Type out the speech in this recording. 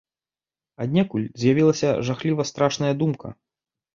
Аднекуль з'явілася жахліва страшная думка.